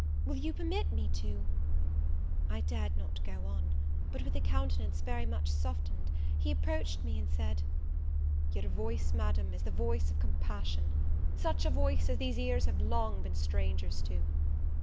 Will you permit me to " I dared not go on; but with a countenance very much softened, he approached me and said, "Your voice, Madam, is the voice of compassion! such a voice as these ears have long been strangers to!"